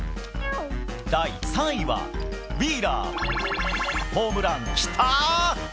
第３位はウィーラー○○ホームランキター！